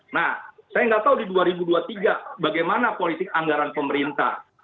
nah saya nggak tahu di dua ribu dua puluh tiga bagaimana politik anggaran pemerintah